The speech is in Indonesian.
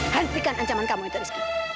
hentikan ancaman kamu itu rizky